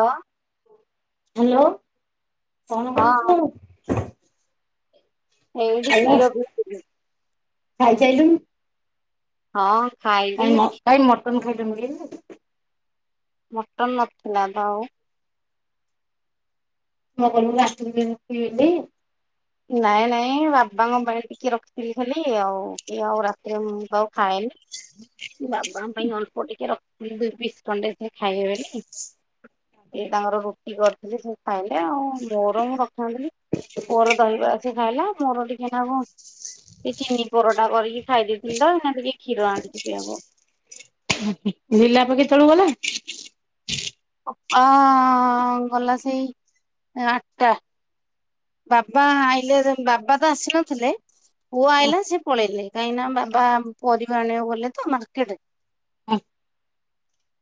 କ । ହାଲୋ କଣ ହଁ କରଛୁ? ଏଇଠି କ୍ଷୀର ଫୁଟୁ ଥିଲି । ଖାଇ ସାଇଲୁଣି। ହଁ ଖାଇବି। କାଇଁ ମଟନ ଖାଇତେ ମିଲେଇଲୁ । ମଟନ ନଥିଲା ତ ଆଉ । ମୁଁ ବା କଇଲି ରାତିକି ରଖିଦେବ। [unintelligible] ନାଇଁ ନାଇଁ ବାବାଙ୍କ ପାଇଁ ଟିକେ ରଖିଥିଲି ଖାଲି, ଆଉ କିଏ ଆଉ ରାତିରେ ମୁଁ ତ ଆଉ ଖାଏନି। ବାବା ପାଇଁ ଅଳ୍ପ ଟିକେ ରଖଥିଲି ଦୁଇ ପିସ୍ ଖଣ୍ଡେ ସେ ଖାଇବେ ବେଲି। ଏଇ ତାଙ୍କର ରୁଟି କରିଥିଲି, ସବୁ ଖାଇଲେ ଆଉ ଗରମ ରଖିନଥିଲି। ପୁଅର ଦହିବରା ସେ ଖାଇଲା ମୋର ଟିକେ । ତୁ ଖାଇବୁ କଣ ଏ ଚିନି ପରଟା କରିକି ଖାଇ ଦେଇଥିଲି, ତ ଏଇନା ନା ଟିକେ କ୍ଷୀର ଆଣିଚି । ଖାଇବ । ବିଲାପ କେତେବେଳକୁ ଗଲା । ଅପା ଗଲା ସେଇ ଆଠଟା। ବାବା ଆଇଲେ, ବାବା ତ ଆସିନଥିଲେ। ପୁଅ ଆଇଲା, ସେ ପଳେଇଲେ କାହିଁକି ନା ବାବା ପରିବା ଆଣିବାକୁ ଗଲେ ତ ମାର୍କେଟ। ହ।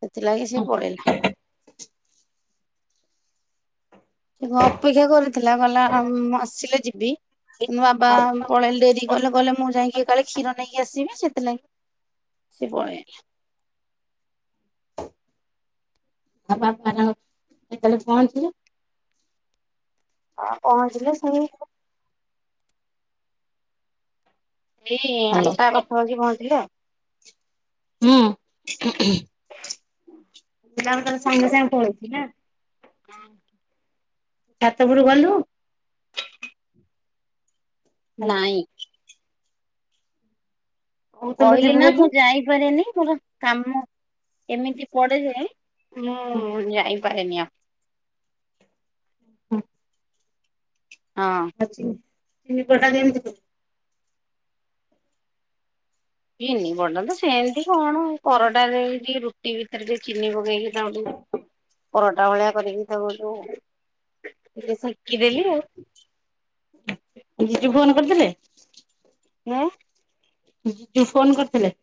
ସେଥିଲାଗି ସେ ପଳେଇଲା। ଅପେକ୍ଷା କରିଥିଲା, କଇଲା ମ ଆସିଲେ ଯିବି। କିନ୍ତୁ ବାବା ପଳେଇଲେ ଡେରି କଲେ, କଇଲେ ମୁଁ ଯାଇକି ଏକା ବେଳେ କ୍ଷୀର ନେଇକି ଆସିବି ସେଥିଲାଗି । ସେ ପଳେଇ ଆଇଲା। ବାପା ତାଙ୍କର କେତେବେଳେ ପହଞ୍ଚିଲେ । ହଁ ପହଞ୍ଚିଲେ ସେଇ । ସେଇ ଭଲ। ଆଠଟା ପାଖ ପାଖି ପହଞ୍ଚିଲେ ଆଉ । ହୁଁ। ବିଲାପ ତାହେଲେ ସାଙ୍ଗେ ସାଙ୍ଗେ ପଲେଇଛି ନା। ଛାତଉପରୁ ଗଲୁ। ନାଇଁ। କହୁଥିଲୁ କହିଲି ଯିବୁ ନା ବୋଲି। ମୁଁ ଯାଇପାରିନି ମୋର କାମ ଏମିତି ପଡେଯେ ମୁଁ ଯାଇପାରେନି ଆଉ ହଁ। ହି କଟା କେମିତି ଚିନି ପରଟା ସେମିତି କଣ ପରଟାରେ ଟିକେ ରୁଟି ଭିତରେ ଟିକେ ଚିନି ପକେଇକି ତାକୁ ପରଟା ଭଳିଆ କରିକି ତାକୁ ଯୋଉ ଟିକେ ସେକିଦେଲି ଆଉ। [inaudible] ଫୋନ କରିଥିଲେ? ହେଲୋ। ବିଜୁ ଫୋନ କରିଥିଲେ?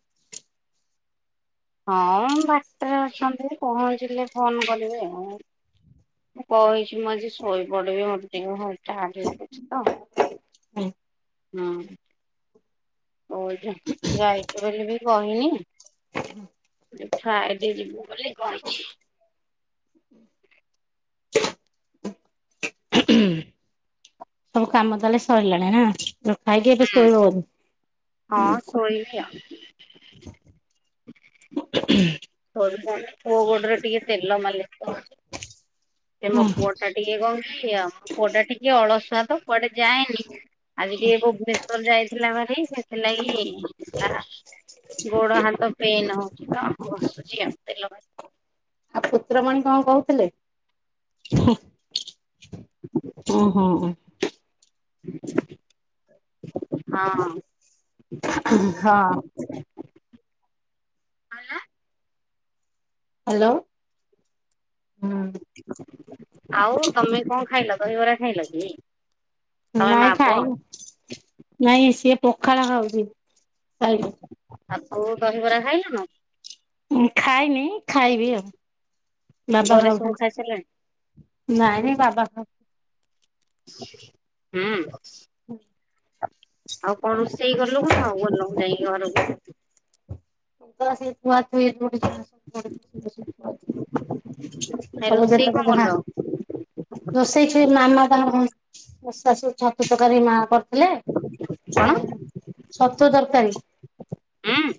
ହଁ ଡାକ୍ତର ଅଛନ୍ତି ପହଞ୍ଚିଲେ ଫୋନ କରିବେ ଆଉ। ମୁଁ କହିଛି ମୁଁ ଆଜି ଶୋଇ ପଡିବି ମୋତେ ଟିକେ ଭାରି ଟାଏଡ ଲାଗୁଛି ତ ହୁଁ। ହଁ। ଓ ଯାଇଛୁ ବୋଲି ବି କହିନି। ଦେଖ ଆଇଟି ଯିବୁ ବୋଲି କହିଛି। ସବୁ କାମ ତାହେଲେ ସରିଲାଣି ନା। ର ଖାଇକି ଏଠେ ହୁଁ। ଶୋଇବ ବୋଧେ। ହଁ ହୁଁ। ଶୋଇବି ଆଉ [inaudible] ପୁଅ ଗୋଡରେ ଟିକେ ତେଲ ମ ସେ ମୋ ପୁଅ ଟା ଟିକେ କହୁଛି ଆଉ। ମୋ ପୁଅ ଟା ଟିକେ ଅଳସୁଆ ତ କୁଆଡେ ଯାଏନି। ଆଜି ଟିକେ ଭୁବନେଶ୍ଵର ଯାଇଥିଲା ଭାରି। ସେଥିଲାଗି ଗୋଡ ହାତ ପେନ୍ ହଉଛି। ତ ଘସୁଛି ତେଲ ମାରିକି। ଆଉ ପୁତ୍ରମଣି କଣ କହୁଥିଲେ? ଓ ହୋ। ହଁ। ହଁ। ଆଲା! ହ୍ୟାଲୋ। ଆଉ ତମେ କଣ ଖାଇଲ କହିବରା ଖାଇଲ କି? ତମେ ମା ନାଇଁ ପୁଅ ଖାଇ ନାଇଁ ସିଏ ପଖାଳ ଖାଉଛି। ଖାଇନି। ଆଉ କଉ ଦହିବରା ଖାଇଲ ନା। ଖାଇନି ଖାଇବି ଆଉ। ବାବା ଘରେ ସବୁ ଖାଇସାରିଲେଣି? ଖାଉଛନ୍ତି। ନାଇଁ ନାଇଁ ବାବା ଖା ହୁଁ। ହୁଁ। ଆଉ କଣ ରୋଷେଇ ଗଲ କଥା ଆଉ ଗଲ ଯାଇ ଘରକୁ [unintelligible] ନ ସବୁ ରୋଷେଇ ଯେତେକ କଣ ଯାହା ଭଲ? ରୋଷେଇ ଛୁ ମାମା ତାଙ୍କ କଣ ଦଷା ସବୁ ଛତୁ ତକାରୀ ମା କର ହେଲେ କଣ ଆଉ ହୁଁ ସତ ତରକାରୀ। ହୁଁ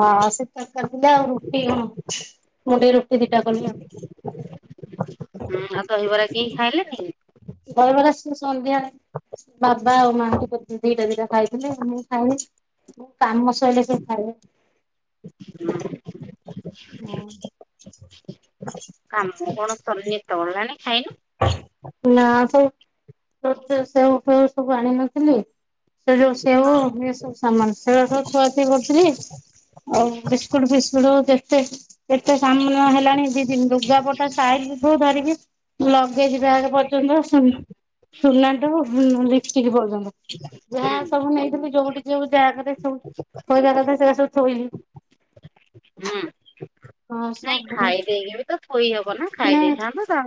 ହଁ ସେ ତରକାରି ଥିଲା ଆଉ ରୁଟି କଣ ମୁଣ୍ଡେଇ ରୁଟି ଦିଟା କଲି ଆଉ। ଆଉ କହିବରା କି ଦହିବରା ସେ ସନ୍ଧ୍ୟାବେଳେ ବାବା ଆଉ ମାଆଙ୍କ କରଛନ୍ତି ଦିଟା ଦିଟା। ଖାଇଥିଲି ମୁଁ ଖାଇଲି ମୁ କାମ ଶୋଇଲେ ସେ ଖାଇଲେ ହଁ। ମୁଁ କଣ ତନି ତଳିଲଣି ଖାଇନୁ? ନା ସ ସେ ସେଉ ସବୁ ଆଣିିନଥିଲି। ସେ ଯୋଉ ସେଉ ଏ ସବୁ ସାମାନ ସେ ସବୁ ଛୁଆ କରୁଥିଲି। ଆଉ ବିସ୍କୁଟ ଫିସ୍କୁଟ ଦେ ଏ ଏତେ ସାମ୍ନା ହେଲାଣି ଦି ଲୁଗାପଟା ସାଇକି ଧରିକି ଲଗେଇଛି ବାଘ ପର୍ଯ୍ୟନ୍ତ ଆସ [unintelligible] ପର୍ଯ୍ୟନ୍ତ ଯାହା ହୁଁ ସବୁ ନେଇଥିଲୁ ଯୋଉଠି ଯୋଉ ଜା ଘରେ ସବୁ। ଥୋଇବା କଥା ସେରା ସବୁ ଥୋଇଲି। ହୁଁ ହଁ ନାଇଁ ସବୁ ଖାଇ ଦେଇକି ବି ତ । ଶୋଇ ହବ ନା ଖାଇ ମାନେ ଦେଇଥାନ୍ତା ତା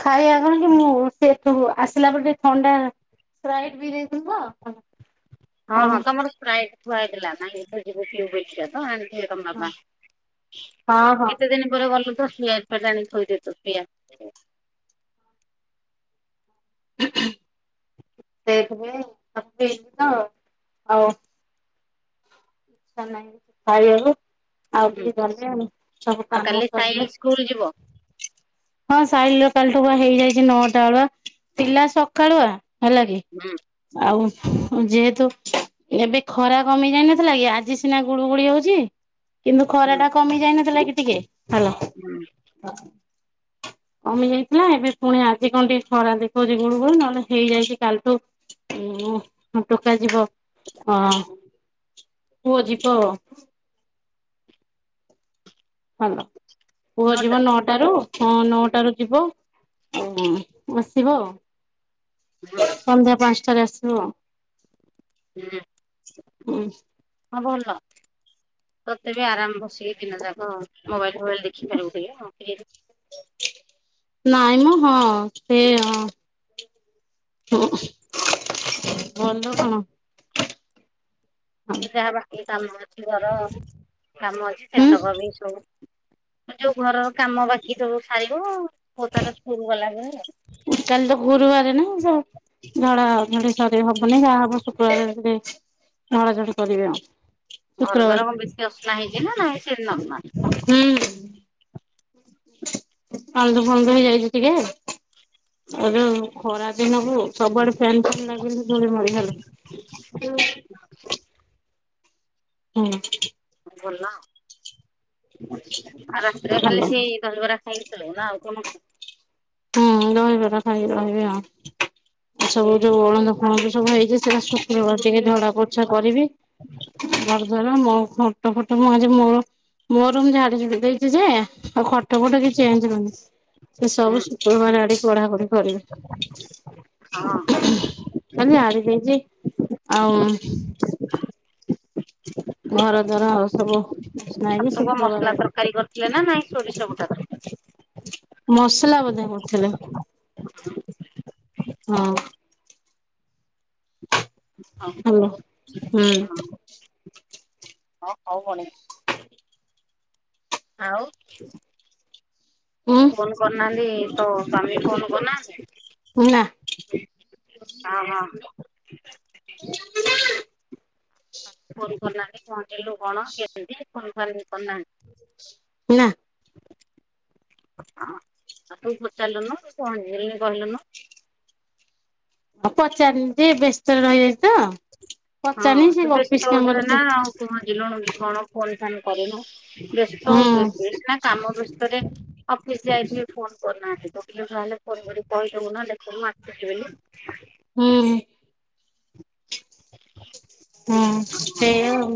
ଖାଇବା କଣ କି ମୁଁ ସେଠୁ ଆସିଲା ପରେ ଟିକେ ଥଣ୍ଡା। ସ୍ପ୍ରାଇଟ ପି ଦେଇଥିଲୀ ତ । ହଁ ହଁ ତମର ସ୍ପ୍ରାଇଟ ଥୁଆ ହୋଇଥିଲା ନାଇଁ କି ତୁ ଯିବୁ ପିବୁ ବେଲିକା ତ ଆଣ। ଥିବେ ତମ ବାବା ହଁ ହଁ ଏତେ ଦିନ ପରେ ଗଲୁ। ତୋ ପିଆଜ ଫିଆଜ ଆଣିକି ଥୋଇ ଦେଇଥିବୁ ପିଆ। ସେଇଥି ପାଇଁ ଆଉ ପିଲୁ ତ । ଇଛା ନାହିଁ ଖାଇଆକୁ। ଆଉ ହୁଁ ଟିକେ ଗଲେ ଆ ସବୁ ଆଉ କାମ କାଲି ସାଇଲି ସରିଲେ ସ୍କୁଲ ଯିବ ହଁ ସାଇଲ ସକାଳଠୁ ହେଇଯାଇଛି ନଅଟା ବେଳୁଆ ପିଲା ସକାଳୁଆ ହେଲା କି ହୁଁ ଆଉ ଯେହେତୁ ଏବେ ଖରା କମି ଯାଇନଥିଲା କି ଆଜି ସିନା ଗୁଳୁଗୁଳି ହଉଛି କିନ୍ତୁ ଖରା ହୁଁ ଟା କମି ଯାଇନଥିଲା କି ଟିକେ ହେଲା ହୁଁ। [inaudible] କମି ଯାଇଥିଲା ଏବେ ପୁଣି ଆଜି କଣ ଟିକେ ଖରା ଦେଖାଉଛି ଗୁଳୁ ଗୁଳୁ ନହେଲେ ହେଇଯାଇଛି କାଲି ଠୁ ଟୋକାଯିବ ହ। ପୁଅ ଯିବ । ଭଲ, ପୁଅ ଯିବ ନଅଟାରେ ନଅଟାରୁ ହଁ ନଅଟାରୁ ଯିବ ଆସିବ ଆ ହୁଁ ସନ୍ଧ୍ୟା ପାଞ୍ଚଟାରେ ଆସିବ। ହୁଁ ହଁ ହଁ ଭଲ। ତତେ ବି ଆରାମ ବସିକି ଦିନା ଯାକ ମୋବାଇଲ ଫୋବାଇଲ ଦେଖିପାରିବୁଁ ଟିକେ ନାଇଁ ମୁ ହଁ ସେ ହ ବନ୍ଧ କଣ? ଯାହା ବାକି କାମ ଅଛି ଘର କାମ ଅଛି ହୁଁ ସେତକ ବି ସବୁ ଯୋଉ ଘରର କାମ ବାକି ସବୁ ସାରିବୁ ପୁଅ ତାର ସ୍କୁଲ ଗଲାଯାଏ। କାଲି ତ ଗୁରୁବାର ନା ଝଡା ଝଡି ସରି ହବନି ଯାହା ହବ ଶୁକ୍ରବାର ଝାଡ଼ା ଝାଡି କରିଦିବି। ଘର ଦାର କଣ ବେଶୀ ଅସନା ହେଇଛି ନା ନା ସେମତି ନର୍ମାଲ। ଅଲନ୍ଦୁ ଫନ୍ଦ ହେଇଯାଇଛି ଟିକେ। ଏ ଯାଉ ଖରା ଦିନକୁ ସବୁଆଡେ ଫ୍ୟାନ ଫ୍ୟାନ ଲାଗିଲେରି ଧୁଳିମାଳି ହେଲା। ହୁଁ। ହଁ। ଭଲ। ଆଉ ରାତିରେ ଭଲ ଖାଲି ସେ ଦହିବରା ଖାଇକି ଶୋଇବୁ, ନା ଆଉ ଖା ହୁଁ ଦହିବରା ଖାଇକି ରହିବି ଆ। ଉ ସବୁ ଯୋଉ ଅଳନ୍ଦୁ ଫଳନ୍ଦୁ ସବୁ ହେଇଛି ସେଟା ଶ ବଳ ଟିକେ ଝାଡ଼ା ପୋଛା କରିବି। ଘର ଦୁଆର ମୋ ଖଟ ଫଟ ମୁଁ ମୋର ମୋର ମୁଁ ଝାଡି ଝୁଡି ଦେଇଛି ଯେ ଆଉ ଖଟ ଫଟ କି ଚେଞ୍ଜ ହଉନି ସେ ହୁଁ ସବୁ ଝାଡି କଢା କୁଢି କରିବେ। ହଁ। ଖାଲି ଆଣିବେ ଆଉ। [unintelligible] ଘର ଦ୍ୱାର ଆଉ ସବୁ ଅସନା ହେଇକି ଛତୁ କଣ ଶୁକ୍ରବାର ମସଲା ଆଡେ ତରକାରୀ କରିଥିଲେ, ନା ନାଇଁ ସୋରିଷ ବଟା ମସଲା ବୋଧେ କରିଥିଲେ। ହଁ। [inaudible] ହ୍ୟାଲୋ ହୁଁ। ହଁ ଭଉଣୀ। ଆଉ ଉଁ ଫୋନ କରିନାହାନ୍ତି ତୋ ସ୍ଵାମୀ ଫୋନ କରିନାହାନ୍ତି? ନା ହଁ ହଁ [inaudible] ଫୋନ୍ କରିନାହାନ୍ତି ପହଞ୍ଚିଲୁ କଣ? କେମିତି? ଫୋନ ଫାନ୍ କିଛି କରିନାହାନ୍ତି? ନା [inaudible] ହଁ ଆଉ ତୁ ପଚାରିଲୁନୁୁ ପହଞ୍ଚିଲୁନି କହିଲୁନୁ। ଆଉ ପଚାରିନି ଯେ ବ୍ୟସ୍ତରେ ରହିଛି। ହଁ ସେ ବ୍ୟସ୍ତ କାମରେ ହଉଥିବେ ସେ ନା ପହଞ୍ଚିଲୁଣି। କଣ ଫୋନ ଫାନ୍ କରିନୁ ବ୍ୟସ୍ତ ହୁଁ ହଉଥିବେ ନା ତୁ ସିନା କାମ ବ୍ୟସ୍ତରେ ଅଫିସ ଯାଇଥିଲି ଫୋନ କରୁନାହାନ୍ତି ତଖିଲହେଲେ ଫୋନ କରିକ କହିଦବୁ ନା ଦେଖୁ ଆସୁଛି ବୋଲି। ହୁଁ। [unintelligible] ହଁ ସେୟା ଆଉ।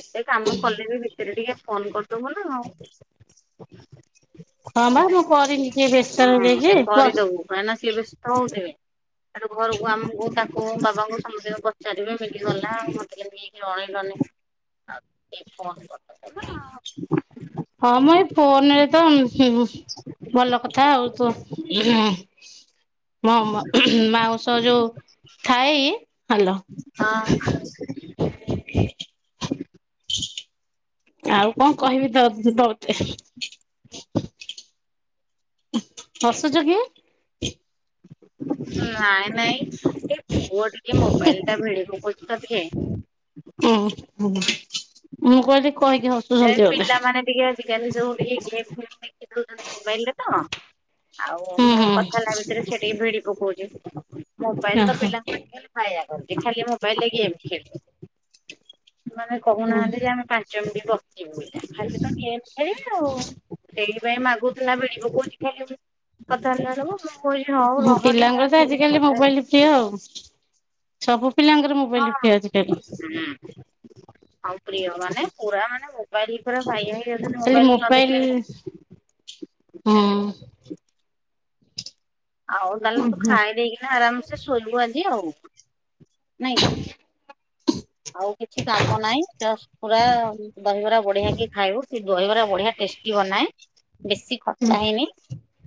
ଏତେ କାମ କଲେ ବି ଭିତରେ ଟିକେ ଫୋନ କରିଦବୁ ନା ଆଉ। ହଁ ବା ମୁଁ କରିନି ଟିକେ ବ୍ୟସ୍ତ ସେ କରିଦବୁ ରହିଯାଇଛି। ତା ଘରକୁ ଆମ କୋଉଟ କୋ ବାବାଙ୍କୁ ସମସ୍ତ ପଚାରିବେ ମିଳିଗଲା ମତେ କେମିତି କେହି ଜଣେଇଲନି। [inaudible] ହଁ ମୁଁ ଏଇ ଫୋନ ରେ ତ ଭଲ କଥା ଆଉ। ତ ହଁ ମ ମାଉଁସ ଯୋଉ ଥାଏ ହାଲୋ ହଁ। ଆଉ କଣ କହିବି ତ ତତେ। ହସୁଛୁ କି? ନାଇଁ ନାଇଁ। ଏଇ ପୁଅ ଟିକେ ମୋବାଇଲ ଟା ଭିଡ଼ିପକାଉଛି ତ ହୁଁ ଟିକେ। ମୁଁ କହିଲି କହିକି ଏ ହସୁଛନ୍ତି ବୋଧେ ପିଲାମାନେ ଟିକେ ଆଜିକାଲି ଯୋଉ ଗେମ୍ ଫେମ ଦେଖି ଦଉଛନ୍ତି ମୋବାଇଲରେ ତ। ଆଉ ହୁଁ ମୁଁ ହୁଁ କଥା ଟା ଭିତରେ ସେ ଟିକେ ଭିଡିପକଉଛି। ମୋବାଇଲ ତ ଓହୋ ପିଲାମାନଙ୍କୁ ଟିକ ବାୟା କରଛି ଖାଲି ମୋବାଇଲ ଗେମ ଖେଳିବ। ମାନେ କହୁନାହାନ୍ତି ଯେ ଆମେ ପାଞ୍ଚ ମିନଟ୍ ବସୁ ଖାଲି ତ ଗେମ୍ ଖେଳିବେ ଆଉ ସେ ସେଥିପାଇଁ ମାଗୁଥିଲା [inaudible] ର ପିଲାଙ୍କର ତ ଆଜିକାଲି ହେବି। ମୋବାଇଲ ପ୍ରିୟ ଆଉ ସବୁ ପିଲାଙ୍କର ମୋବାଇଲ ହଁ। ପ୍ରିୟ ଆଜିିକାଲି। ଆଉ ପ୍ରିୟ ମାନେ ପୁରା ମାନେ ମୋବାଇଲ ପୁରା ବାୟା ଖାଲି ମୋବାଇଲେ ନ ମୋବାଇଲ ଦେଖିଲେ [inaudible] ହୁଁ ଆଉ ନହେଲେ ତୁ ଖାଇଦେଇକିନା ଆରାମ୍ ସେ ଶୋଇବୁ ଆଜି ଆଉ। ନାଇଁ। ଆଉ କିଛି କାମ ନାହିଁ ପୁରା ଦହିବରା ବଢିଆ କି ଖାଇବୁ। ସେ ଦହିବରା ବଢିଆ ଟେଷ୍ଟି ବନାଏ ବେଶୀ ହୁଁ ଖଟା ହେଇନି।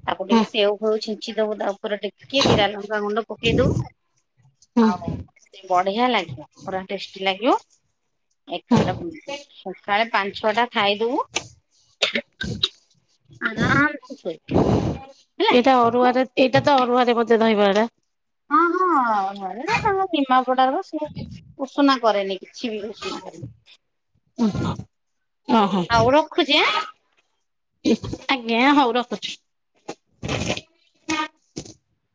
ତାକୁ ହୁଁ ଟିକେ ସେଉ ଫଉ ଛିଞ୍ଚି ଦବୁ ତା ଉପରେ ଟିକେ ଜିରା ଲଙ୍କା ଗୁଣ୍ଡ ପକେଇଦବୁ। ହୁଁ ଆଉ ବଢିଆ ଲାଗିବ ପୁରା। ଟେଷ୍ଟି ଲାଗିବ ଏକ ସକାଳେ ପାଞ୍ଚ ଛଅ ଟା ଖାଇଦଉ ଆରାମ ସ ଏଇଟା ଅରୁଆରେ ଏଇଟା ତ ଅରୁଆରେ ମଧ୍ୟେ ରହିବ ଏଟା ହଁ ହଁରେ ନା ତାଙ୍କ ନିମାପଡାର ସଏ ଉଷୁନା କରନି କିଛି ବି ଉଷଣା କରନି। [unintelligible] ଆଉ ରଖୁଛି। ଆଜ୍ଞା ହଉ ରଖୁଛୁ।